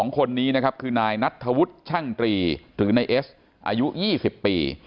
๒คนนี้นะครับคือนายนัทธวุฒิช่างตรีหรือนายเอสอายุ๒๐ปี